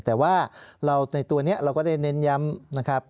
แต่ว่าเราในตัวนี้เราก็ได้เน้นย้ำนะครับ